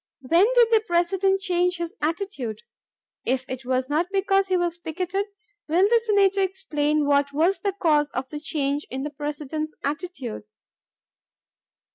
When did the President change his attitude? If it was not because he was picketed, will the Senator explain what was the cause of the change in the President's attitude?"